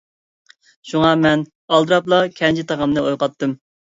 شۇڭا مەن ئالدىراپلا كەنجى تاغامنى ئويغاتتىم.